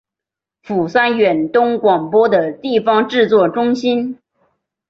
釜山远东广播的地方制作中心。